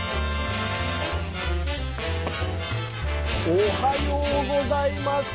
おはようございます。